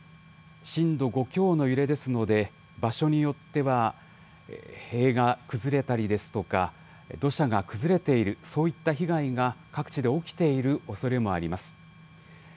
震度５強の揺れですので、場所によっては塀が崩れたりですとか、土砂が崩れている、そういった被害が各地で起きているおそれもあります。